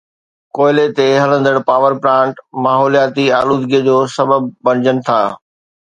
ڪوئلي تي هلندڙ پاور پلانٽس ماحولياتي آلودگي جو سبب بڻجن ٿا